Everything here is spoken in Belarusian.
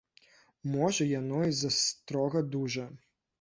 Можа, яно і застрога дужа.